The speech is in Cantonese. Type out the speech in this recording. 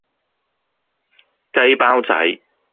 雞包仔